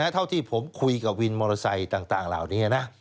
เท่าที่ผมคุยกับวินมอเตอร์ไซค์ต่างเหล่านี้นะ